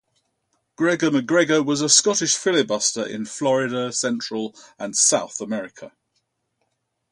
Gregor MacGregor was a Scottish filibuster in Florida, Central and South America.